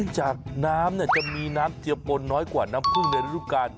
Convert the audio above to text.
จากน้ำจะมีน้ำเจียปนน้อยกว่าน้ำพึ่งในฤดูกาล